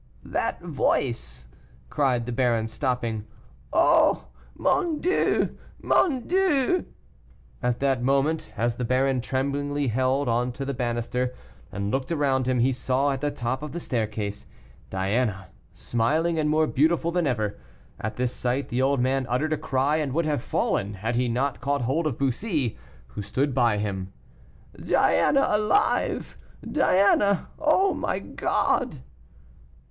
"That voice!" cried the baron, stopping. "Oh! mon Dieu! mon Dieu!" At that moment, as the baron tremblingly held on to the banister, and looked around him, he saw at the top of the staircase, Diana, smiling, and more beautiful that ever. At this sight the old man uttered a cry and would have fallen, had he not caught hold of Bussy, who stood by him. "Diana alive! Diana, oh, my God!"